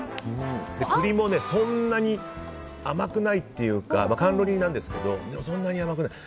栗もそんなに甘くないっていうか甘露煮なんですけどそんなに甘くない。